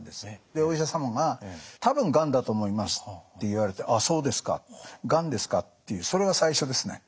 でお医者様が「多分がんだと思います」って言われて「ああそうですか。がんですか」っていうそれが最初ですね。